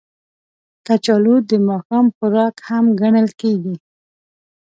کچالو د ماښام خوراک هم ګڼل کېږي